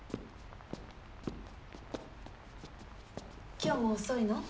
今日も遅いの？